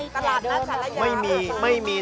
ตลาดนั้นสาระย้าไม่มี